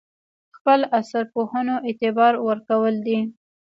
خپل عصر پوهنو اعتبار ورکول دي.